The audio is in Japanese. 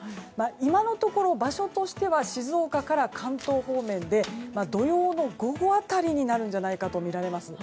今のところ場所としては静岡から関東方面で土曜の午後辺りになるんじゃないかとみられます。